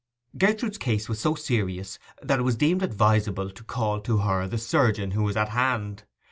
Gertrude's case was so serious that it was deemed advisable to call to her the surgeon who was at hand.